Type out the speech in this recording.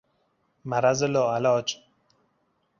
مرض لاعلاج